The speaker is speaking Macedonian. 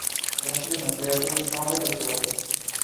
Вашите непријатели знаат дека си овде.